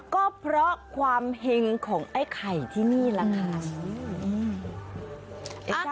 ก็เพราะความเห็งของไอ้ไข่ที่นี่แหละค่ะ